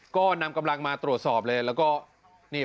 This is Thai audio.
ก็นำกำลังมาตรวจสอบเลย